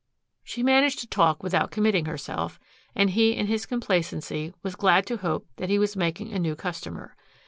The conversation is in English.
She managed to talk without committing herself, and he in his complacency was glad to hope that he was making a new customer.